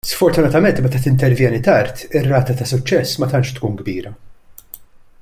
Sfortunatament meta tintervjeni tard ir-rata ta' suċċess ma tantx tkun kbira.